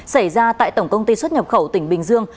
xảy ra tại tổng công ty xuất nhập khẩu tỉnh bình dương